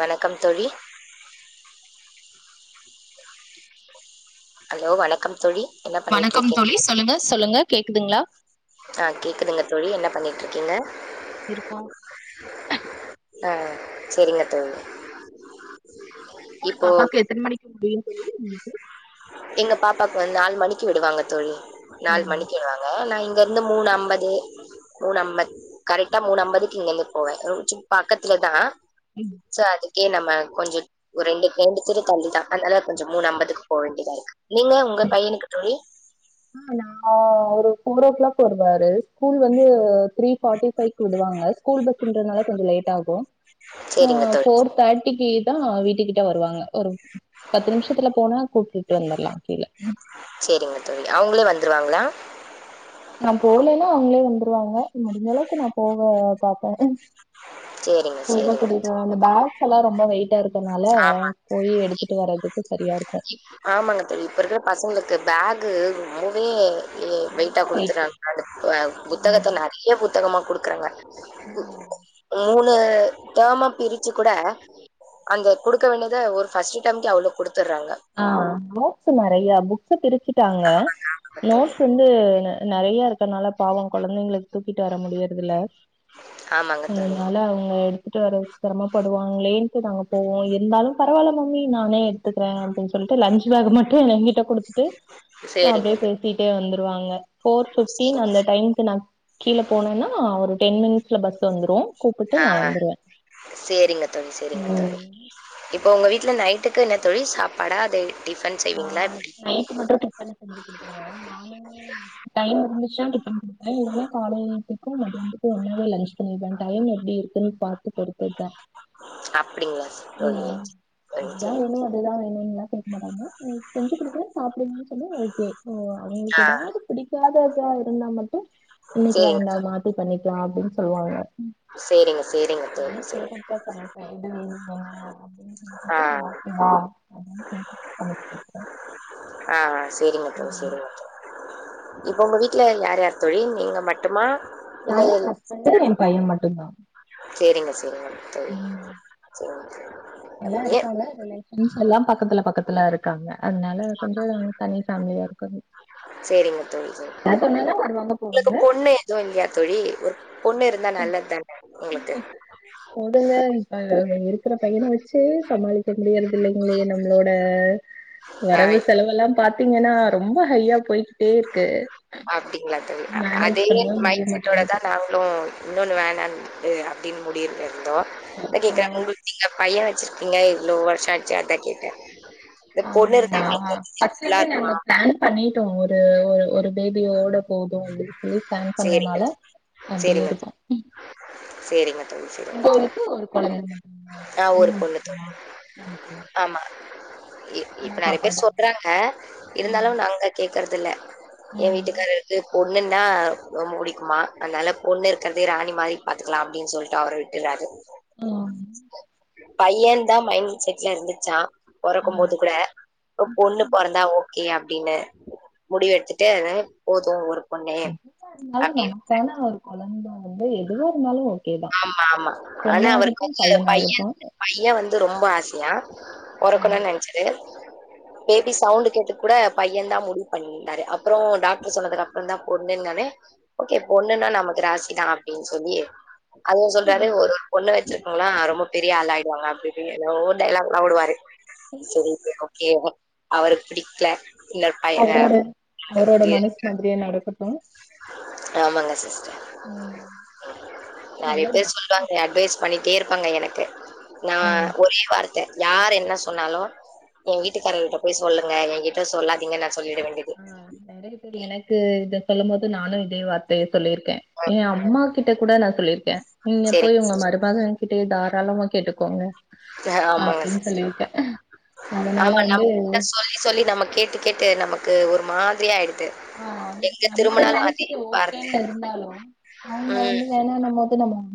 வணக்கம் தோழி ஹலோ வணக்கம் தோழி என்ன வணக்கம் தொலி பண்ணிட்ருக்கீங்க சொல்லுங்க சொல்லுங்க கேக்குதுங்களா ஆஹ் கேக்குதுங்க தோழி என்ன பண்ணிட்டு இருக்கீங்க இருக்கோ ஆஹ் சேரிங்க தோழி ஸ்கூல் இப்போ பாப்பாக்கு எத்ன மணிக்கு முடியு [unintelligible] எங்க பாப்பாக்கு வந்து நாலு மணிக்கு விடுவாங்க தோழி நாலு மணிக்கு வாங்க நான் இங் இங்க இருந்து மூணு அம்பது மூணு அம்ப கரெக்டா மூணுஅம்பதுக்கு இங்க இருந்து போவேன் சும் பக்கத்துலதா சாடி ஏ நம்ம கொஞ்ச ஒரு ரெண்டு தெரு தள்ளிதான் அதனால கொஞ்சம் மூணு அம்பதுக்கு போ வேண்டி தா இருக்கு நீங்க உங்க பையனுக்கு தோழி ஆஹ் ந ஒரு போரோ ஓ கிளாக் வருவாரு ஸ்கூல் வந்து த்ரீ பார்டி பை கு விடுவாங்க ஸ்கூல் பஸ்ன்றதுனால கொஞ்சம் லேட் ஆகும் சேரிங்க ஆஹ் தோழி போர் தேர்ட்டிக்கி தா வீட்டுக்கிட்ட வருவாங்க ஒரு பத்து நிமிஷத்துல போனா கூட்டிட்டு வந்தர்லா கீழ சேரிங்க தோழி அவுங்களே வந்துருவாங்ளா நா போலன்னா அவுங்களே வந்துருவாங்க முடிஞ்ச அளவுக்கு நா போக பாப்பே சேரிங்க போய்தா சேரிங்க கூட்டிட்டு வரணு அந்த பேக் எல்லா ரொம்ப வெய்ட்டா இருக்கு ஆமா சரியா இருக்கு ஆமாங்க தோழி இப்ப இருக்ற பசங்களுக்கு பேகு ரொம்பவே வெயிட்டா ரொம்ப வெயிட்டு குடுத்துறாங்க அது ம் புத்தகத்த நெறைய புத்தகமா குடுக்குறாங்க [unintelligible] அ டாமா பிரிச்சு கூட அங்க குடுக்க வேண்டித ஒரு ஃபர்ஸ்டு டாம்கே அவ்ளோ குடு ஆ நோட்ஸு நெறைய புக்ஸு பிரிச்சு ட்டாங்க தோழி. நோட்ஸ் வந்து நெ றைய இருக்கனால பாவம் கொழந்தைங்களுக்கு தூக்கிட்டு வர முடியறதில்ல ஆமாங்க தோழி. அதுனால அவுங்க எடு [unintelligible] சிரமபடுவாங்களேன் டு நாங்க போவோ இருந்தாலும் பரவால்ல மம்மி நானே எடுத்துகிறே அப் பின் சொல்ட்டு லன்ச்சு பேக மட்டு எனகிட்ட குடுத் டு சேரிங்க அப்டியே பேசிட்டே வந்து ருவாங்க ஃபோர் தோழி ஃபிஃப்டீன் சேரிங்க. அந்த டைம்கு நா கீழ போனென்னா ஒரு டென் மினிட்ஸ்ல பஸ் வந்துரு கூப்புட்டு ஆ நா வந்துருவே சேரிங்க தோழி சேரிங்க தோழி ம் இப் போ உங்க‌ வீட்ல நைட்டுக்கு என்ன தோழி சாப்பாடா அதே ஆ நைட்டு மட்டு டிபன் செஞ்சு குடுத்துருவே மார்னிங் டைம் இருந்துச்சுனா டிபன் குடுப்பே இல்லனா காலை கும் மதியத்துக்கு ஒன்னாவே லன்ச் பண்ணிடுவே டைம் எப்டி இருக்குன் பா து பொறுத்த தா அப்டிங்களா தோழி. உம் சரி, இதுதா சரிங்க. வேணு அதுதா வேணுன்லா கேக்க மாட்டாங்க செஞ்சு குடுக்குறே சாப்டுன்னு சொன்னெ ஓகே ஓ ஆ அவுங்களுக்கு எதாது பிடிக்காததா இருந்தா மட்டு இன்னைக்கு சேரிங்க வேண்டா தோழி. மாத்தி பண்ணி ணிக்கா அப்டின் சொல்வாங்க சேரிங்க, சேரிங்க தோழி. நானு சேரிங்க. கேட்டுட் தா சமப்பே. [unintelligible] [unintelligible] ஆஹ. [inaudible] சேரிங்க தோழி சேரிங்க. இப்போ உங்க வீட்டில் யார் யார் தோழி நீங்க மட்டுமா. இல்லை நானு எ ஹஸ்பண்டு என பைய மட்டு. அதா. சேரிங்க சேரிங்க. உம் எல்லா தோழி ஏ இருக்காங்க ரிலேட். ஃபிரெண்ட்ஸ் எல்லா பக்கத்துல பக்கத்துல இருக்காங்க. அதனால கொஞ்சோ தனி ஃபேமிலியா இருக்கு. சரிங்க தோழி சரி அதுனால வருவாங்க உங்களுக்கு போவாங்க. பொண்ணு எதுவும் இல்லையா தோழி ஒரு பொண்ணு இருந்தால் நல்லது தானே உங்களுக்கு போதுங்க இபப ஒரு. இருக்கிற பையன வச்சு சமாளிக்க முடியறது இல்லைங்களே நம்மளோட. ஆ, வரவு செலவுல்லாம் பாத். பாத்தீங்கன்னா ரொம்ப ஹையா போயிட். அப்படிங்களா தோழி மேனேஜ் அதே பண்ணவே முடிய மைண்ட் செட்டோடதா மாட்டேங்குது நாங்களு. இன்னொன்னு வேணா அப்படின்னு முடிவு பண். ணோ. அப்போ [unintelligible] பைய. இல்ல இவ்ளோ வர்ஷமாச்சி அதா கேட்ட. ஆஹ நா ஃபஸ்ட்டு லிருந்தே இருக்குமா நாங்க பிளான் பண்ணிட்டோ ஒரு. ஹ ஒரு பேபியோட போதும் அப். து பிளான் சரிங்க பண்ணனால அப்டியே இருக்கோ. சேரிங்க. சேரி சேரிங்க தோழி. உங்களுக்கு ஒரு கொழந்த ஆஹ ஒரு பொண்ணு தோழி. மட்டுமா ஓகே ஆமா சின்ன இப்ப நிறய பாப்பா தா பேர் சொல்றாங்க இருந்தாலும் ம், நாங்க கேக். இருக்குறதுதில்ல. எ ம், வீட்டுக்காரர் இது. பொண்ணுந். னா ரொம்ப புடிக்குமா அனால பொண்ணு இருக்கிறதே ராணி மாரி பாத்துக்லா அப்டின் சொல்லிட்டு அவரு விட்டாரு. ஆஹ. பையந்தா மைண்ட் செட்ல இருந்துச்சா. பொறக்கும் ம். போது கூட இப்ப பொண்ணு பொறந்தா ஓகேயா. அப்டின்னு. முடிவு எடுத்துட்டு அஹ போது ஒரு. பொண்ணு [unintelligible] அப்டின்னு. அது எதுவா இருந்தாலும் ஓகே தான். ஆமா ஆமா ஆனா அவருக்கு பொண்ணாகட்டும், வந்து பையன் பையனாகட்டும். பைய வந்து ரொம்ப ஆசயா ஆ. பொறக்கணும்னு நினைச்சரு பேபி சவுண்ட் கேட்டு கூட பையன் தா முடிவு பண்ணியிட்டாரு அப்பறம் டாக்டர் சொன்னதுக்கு அப்பறம் தா பொண்ணுன்னாலே ஓகே பொண்ணுன்னா நமக்கு ராசிதா அப்டின்னு சொல்லி அதுவும் சொல்றாரு ஒரு பொண்ண ஆச்சு அவுங்களா ரொம்ப பெரிய ஆள் ஆய்டுவாங்க அப்இப்டின் எதோ டைலாக் லா வுடுவாரு சொரிக் ஒகேவ அவர பிடிக்கல இன்னொரு பைய அவரோட அவரோட மனசு மாதிரியே நடக்க உ ஆமாங்க சிஸ்டர் ம். நெறய பேரு நல்லதுதான். சொல்லுவாங்க அட்வைஸ் பண்ணிடே இருப்பாங்க எனக்கு நா ம். ஒரே வார்த் யாார் என்ன சொன்னாலு என் வீட்டுக்காரர்கிட்ட போய் சொல்லுங்கக் ஏ என்கிட்ட சொல்லாதீங்கன்ன ஆஹ் நெறய பேர் எனக்கு இது சொல்லும் போது நானும் இதே வார்தய சொல்லியிருக்கேன் எ அம்மா கிட்ட கூட நான் சொல்லிருகே நீங்க போயு சரிங்க உங்க மறுமக கிட்டே தாராளமா கேட்டுக்கோங்க ஆமாங்க அப்படின்னு சொல்லியிருக்கேன். அதனால ஆமா வந்து நம்கீட சொல்லி சொல்லி நம்ம கேட்டு கேட்டு நம்ம ட்டு ஒரு மாதிரி ஆயிடுக் ஆஹ் நம்மளோட மனசுக்கு வார்த்தை. ஓகேன் இருந்தாலு அவங்க ம். வந்து வேணா நம்ம நமோ [unintelligible]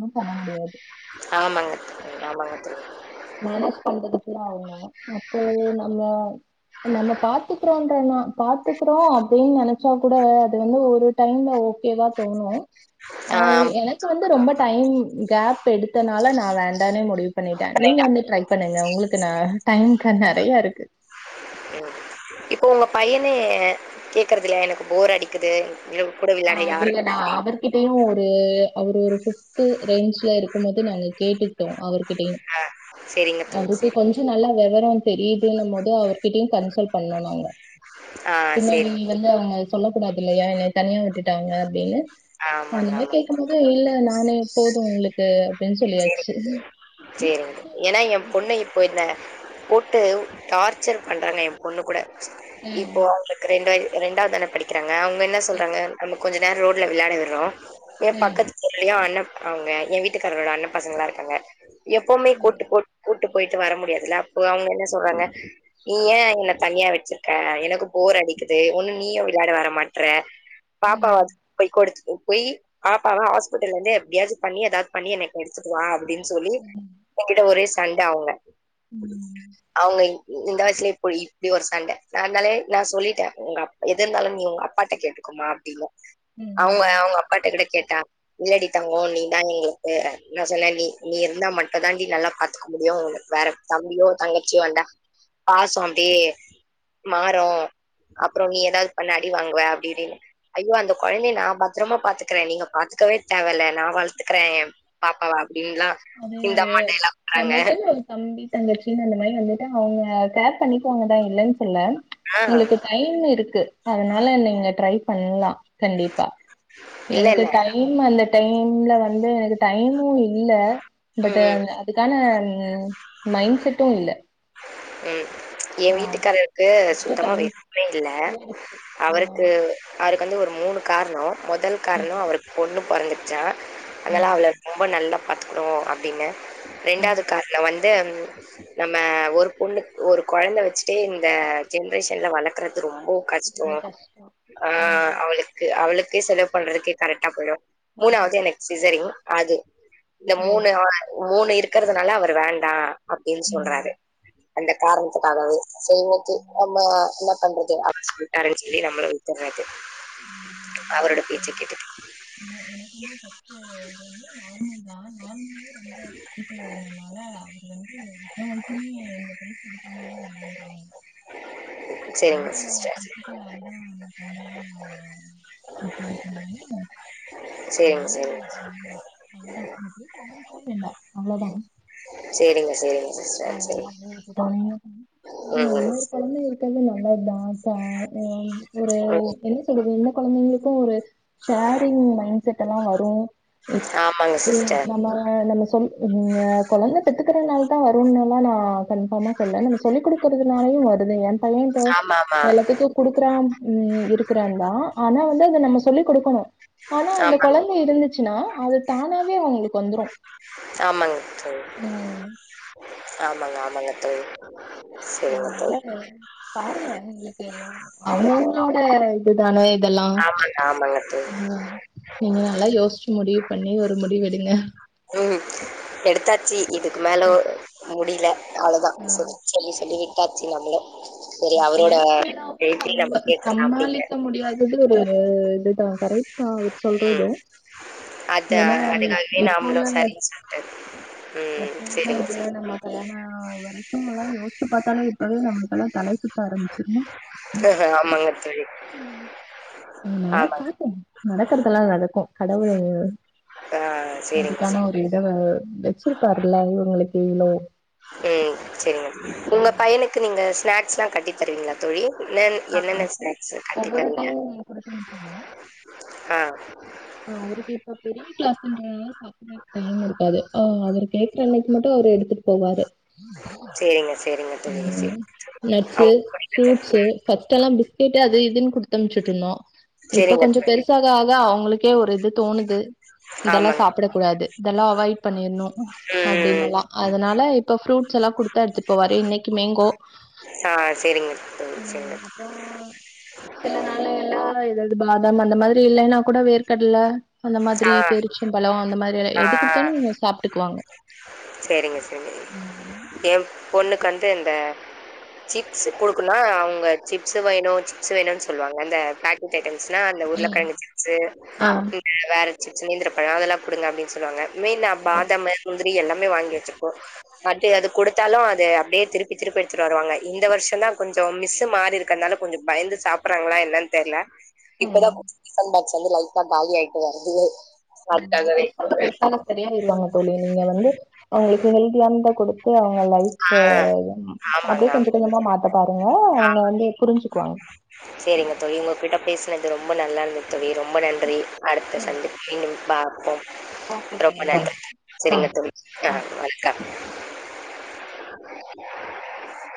ஆமாங்க ந பகத்தில் [unintelligible] மேனேஜ் பண்றதுக்கு ஆவுமா அப்போ நம்ம நம்ம பாத்துகுறோம் [unintelligible] பாத்துக்குறோம் அப்டின்னு நென ஸோ கூட அது வந்து ஒரு டைம்ல ஓகேவா தோணு ஆ அஹ் எனக்கு வந்து ரொம்ப டைம் கேப் எடுத்தனால நான வேண்டானே முடிவு பண்ணிட்டேன் நீங்க கரெக்ட்டா. வந்து ட்ரை பண்ணுங்க உங்களுக்கு நா டைம்க்க நெறையா இருக்கு இப்போ உங்க பையனே கேக்குறதுலையா எனக்கு போர் அடிக்குது எங்க கூட விளையாட ஆஹ் இல்ல யாரும் நான் அவர்கிட்டையு அது அவர் ஒரு பிப்த் ரேஞ்ச்ல இருக்கும் போது நாங்க கேட்டு டோம் அவர்கிட்டையும் ஆ சரிங்க தோழி, அவருக்கு சரி. கொஞ்சம் நல்லா [unintelligible] டின்னு போது அவர்கிட்டயும் கன்சல்ட் பண்ணோ நாங்க ஆ பின்னாடி சரிங்க. வந்து அமல் சொல்ல கூடாதுல்லையா யாய தனியா விட்டுட்டாங்க அப்டின்னு ஆமாங்க, அதனால ஆமாங்க. கேட்கும் போது இல்ல நானே போதும் உங்களுக்கு அப்படின்னு சொல்லியாச்சு சேரிங்க. ஏன்னா என் பொண்ணு இப்போ என்ன போட்டு டார்ச்சர் பண்ணுறாங்க என் பொண்ணு கூட ம் இப்போ அவளுக்கு ரெண்ட இண்டாது தான படிக்றா ஆ அவங்க என்ன சொல்றாங்க நமக் கொஞ்ச நெரோ விளையாட விட்றோம் ஏன் ம் பக்கத்துல்லையுன் அண்ணா அவுங்க என் வீட்டுக்காரரோட அண்ணன் பசங்களா இருக்காங்க எப்பவுமே ம் கோட்டு கோட் கோட் விட்டு போயிட்டு வர முடியாதுல்ல அப்போ அவங்க என்ன சொல்றாங்க நீ ஏன் எங்கள தனியா வச்சிருக்க எனக்கு போர் அடிக்குது ஒன்னு நீயும் விளையாட வர மாட்ற ம் பாப்பாவ ம் கோடுத்துட்டு போய் பாப்பாவ ஹாஸ்பிடல்ந்து எப்டியாசும் பண்ணி ஏதாது பண்ணி எனக்கு எடுத்துட்டு வா அப்டின்னு சொல்லி என்கிட்ட ஒரே சண்ட அவுங்க ம் அவுங்க இ இந்த வயசுல இப்போ இப்டி ஒரு சண்ட நா அனாலயே நான் சொல்லிட்டேன் உங்க அப் எதா இருந்தாலும் உங்க அப்பாட்ட கேட்டுக்கோங்க அப்படின்னு ம். அவங்க அவங்க அப்பாடகுட கேட் ட இல்லடி தங்ககோ நீ தான் நீ நான் சொன்னே நீ நீ இருந்தா மட்டும் தாண்டி நல்லா பாத்துக்க முடியும் உனக்கு வேற தம்பியோ தங்கச்சியோ வந்தா பாசம் அப்டியே மாறும் அப்புறம் நீ ஏதாவது பண்ணா அடி வாங்குவ அப்படி இப்படின்னு ஐயோ அந்த குழந்தய நான் பாத்ரூமா பாத்துக்குறேன் நீங்க பாத்துக்கவே தேவயில்ல நான் வளத்துக்குறேன் ஏன் பாப்பாவ அப்டின்லா அதே இந்த ஒரு அம்மா டைலாக் விட்றாங்க. நமக்குன்னு ஒரு தம்பி தங்கச்சின்னு அந்த மாரி வந்து அவங்க கேர் பண்ணிப்பாங்கதான் இல்லன்னு சொல்ல ஆ உங்களுக்கு டைம் இருக்கு அதனால நீங்க ட்ரை பண்லான் கண்டிப்பா இல்ல எனக்கு இல்ல டைம் அந்த டைம்ல வந்து எனக்கு டைமும் இல்ல பட் ம், அதுக்கான மைண்ட் செட்டும் இல்ல உம் ஏ ஆ வீட்டுக்காரருக்கு அப்டியே சுத்தமா டைம் வேர்க்கவே இல்ல போயிடுச்சு ம் அவருக்கு அ வருக்கு வந்து ஒரு மூணு காரணம் மொதல் காரணொ ம் அவருக்கு பொண்ணு பொறந்துருச்சா அனால ம் அவள ரொம்ப நல்ல பாத்துக்குறோ அப்டின்னு ம். ரெண்டாது கார்ல வந் து நம் ம ஒரு பொண்ணுக் ஒரு கொழந்த வெச்சுட்டே இந்த ஜென்ரேஷன்ல வளக்க்குற து ரொம்ப கஷ்டொ ரொம்ப கஷ்டோ ஆ ம் அவளுக்கு அவளு கு செலவு பண்றதுக்கே கரெக்டா போயிடு ம். மூணாவது எனக்கு சிசரின் அது இந்த ஓ மூணு ஆல் மூணு இருக்கிறதுனால அவரு வேண்டா அப்டின் ம் சொல்றாரு அந்த காரணத்துக்காகவே செய்வது ம் ஆமா ந பண்றது [unintelligible] சொல்லி நம்மள விட்டுர்றது உம் எ எனக்குமே ஃபஸ்ட்டு வந்து நார்மல் தா நார்மல்தா ரொம்ப கிரிட்டிகல் ஆனால் அ து வந்து இது வரைக்குமே இந்த பேச்சி எடுத்தோனாலே வேணான்டுருவாங்க சரிங்க ரொம்ப சிஸ்டர் க்ரிட்டிக்கல் ஆய்தா அந்த கொழந்தையே நா பெத்தெடுத்தே நானு சரிங்க ரொம்ப சரிங்க வேண்டா அவ்ளதா கேக்க ஆரம்மிக்கவே வேண்டா அவ்ளதா [unintelligible] [inaudible] சரி ட்டது ம் ம். நல்லது தா [unintelligible] ஒரு ம். என்ன சொல்றது என்ன கொழந்தைங்களுக்கு ஒரு ஷேரிங் மைண்செட்டெல்லா வரு இப் ஆமாங்க இ‌ சிஸ்டர் நம்ம நம்ம சொல் நீங்க கொழந்த பெத்துக்குறனால் வருனெல்லா நா கன்ஃபாமா சொல்ல நம்ம சொல்லி கொடுக்கறதுனாலையு வருது என் பைய இப்ப ஆமா ஆமா எல்லாத்துக்கு குடுக்குறா இருக்கிறான் தா ஆனா வந்து அத நம்ம சொல்லி குடுக்கணு ஆனா ஆமாங்க அந்த கொழந்த இருந்துச்சுன்னா அது தானாவே அவுங்களுக்கு வந்துரு ஆமாங்க தோழி உம் ஆமாங்க ஆமாங்க தோழி சரிங்க அதனால தோழி பாருங்க உங்களுக்கு அவங்க அவங்கலோட இது தானே இதெல்லா ஆமாங்க ஆமாங்க தோழி ஆஹ் நீங்க நல்லா யோசிச்சு முடியு பண்ணி ஒரு முடிவு எடுங்க உம் எடுத்தாச்சு இதுக்கு மேல ஓ முடியில அவ்வளதா சொல்லி சொல்லி பாத்துசைலல [unintelligible] பேசினவு நம்ம ச கேட்கலாம் அப்படிங்க சமாளிக்க முடியாதது ஒரு அதுதான் கரை ஆஹ் ம் சொல்றது அது ஏன்னா அதுக்காகவே இப்ப நாமளும் உள்ள சரின்னு சொல்ட்டது. ம். ப்பவும் தான் சரிங்க இதுல சார். நம்ப கல்யாண வரைகும்ல்லாம் யோசிச்சு பாத்தலே அவே நமக்கல்லாம் தலை சுத்தி ஆமாங்க தோழி ஆமாங்க நடக்கறதெல்லாம் நடக்கு கடவுள் ஆ சரிங்க அதுக்கான சார். ஒரு இதவ வெச் [unintelligible] இலோ உம் சேரிங்க உங்க பையனுக்கு நீங்க ஸ்நாக்ஸ்ல கட்டி தருவிங்களா தோழி என்ன ஆ என்னென்ன ஸ்நாக்ஸ் கட்டி ஒவ்வொரு தரிங்க டைம் குடுத்து அனுப்புவோ ஆஹ் ஆஹ் அவரு இப்பா பெரிய கிளாஸ்ன்றதனல சாப்படுறக்கு டைம் இருக்கா ஆஹ் அவர் கேக்குற அன்னைக்கு மட்டும் அவரு எடுத்துட்டு போவாரு சரிங்க, சரிங்க தோழி. சரி. நட்ஸு அவங்களுக்கு பிடிக்கிறது. ஃரூட்ஷீ ம். பஸ்ட் எல்லாம் பிஸ்கெட் அது இதுன்னு குடு உத்தமிச்சுட்டு இருந்தோ இப்ப சரிங்க கொஞ்ச தோழி. பெருசாக ஆகா ஆக ஒரு து தோ [unintelligible] இதெல்லாம் ஆமாங்க. சாப்பிடடா இதெ்டனாலப்ப எடுங்கோ ம். ஆ சரிங்க தோழி. சரிங்க. ஏதாவது பாதம் அந்த மாரி இல்லைன்னா கூட வேர் கடலா அந்த மாரி ஆ. பேரிச்சும் பழம் அந்த மாரி ஆ. எது குடுத்தாலும் சாப்பிட்டுக்குவாங்க சரிங்க, சரிங்க. என் பொண்ணுக்கு வந்து இந்த சிப்ஸ் கொடுக்கனா அவங்க சிப்ஸ் வேணும் சிப்ஸ் வேணும்னு சொல்லுவாங்க இந்த பேக்கெட் நா அந்த ஊர்ல ம் கிழங்கு சிப்ஸ் ஆ வேற சிப்ஸ் நேந்திரப்பழம் அதெல்லாம் கொடுங்க அப்படின்னு சொல்லாங்க மெயின் நான் பாதாம முந்திரி எல்லாமே வாங்கி வச்சுப்போம் அப்டி அது கொடுத்தாலும் அது அப்படியே திருப்பி திருப்பி எடுத்துட்டு வருவாங்க இந்த வருஷம்தா கொஞ்சோ மிஸ் மாறி இருக்கிறதுனால கொஞ்சோ பயந்து சாப்பிடறாங்களா என்னன்னு தெரில. இப்பதா ம் கொஞ்சமாசி. வந்து லைட்டா காலியாயிட். டு வருது. அதுக்காகவே பெச பெருசாக சரியாயிருவாங்க தோழி. நீங்க வந்து அவங்களுக்கு ஹெல்தியானதா கொடு. கு அவங்க ஆ லைப் ஆமாங்க அப்படியே ஆமா கொஞ்சோ கொஞ்சமா மாத்த பாருங்க. [unintelligible] அவங்க வந்து புரிஞ்சு. சேரிங்க தோழி உங்க கிட்ட பேசு. னுது ரொம்ப நல்லா இருந்தது தோழி ரொம்ப நன்றி. அடுத்த ம் சண்திப்பு மீண்டும் பா. ஆ. ஓகே ரொம்ப தோழி ஓகே நன்றி சேரிங்க ம் தோழி ஆ ஆஹ வணக்கம்.